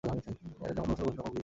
মেয়েরা যখন গোসল করছিল তখন উঁকি দিছে।